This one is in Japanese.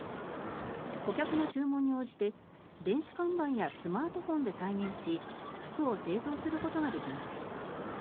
顧客の注文に応じて、電子看板やスマートフォンで再現し服を製造することができます。